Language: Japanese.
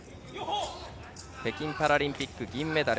北京パラリンピック銀メダル。